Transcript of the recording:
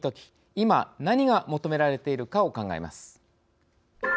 今、何が求められているかを考えます。